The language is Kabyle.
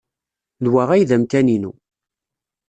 D wa ay d amkan-inu.